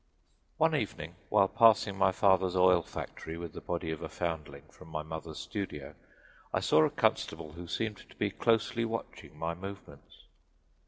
One evening while passing my father's oil factory with the body of a foundling from my mother's studio I saw a constable who seemed to be closely watching my movements.